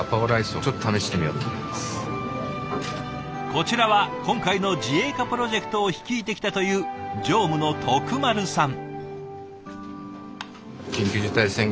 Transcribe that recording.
こちらは今回の自営化プロジェクトを率いてきたという常務の徳丸さん。